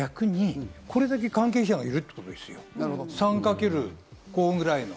私は逆にこれだけ関係者がいるということなんですよ。